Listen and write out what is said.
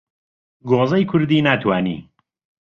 گۆزەی کوردی ناتوانی